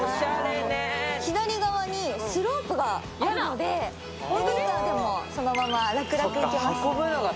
左側にスロープがあるので、ベビーカーでもそのまま楽々行けます。